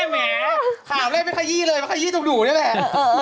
แหมถามเล่มเป็นคัยี้เลยก็คัยี้ตุ้มดู๋นี่แหละ